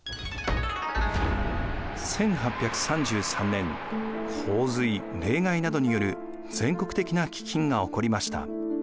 １８３３年洪水・冷害などによる全国的な飢饉が起こりました。